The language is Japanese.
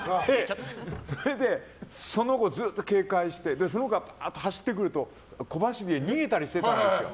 それで、その子ずっと警戒してその子はばーっと走ってくると小走りで逃げたりしてたんですよ。